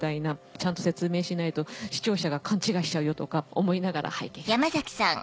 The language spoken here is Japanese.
ちゃんと説明しないと視聴者が勘違いしちゃうよとか思いながら拝見しました。